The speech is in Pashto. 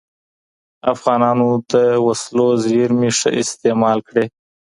افغانانو د وسلو زیرمې ښه استعمال کړې.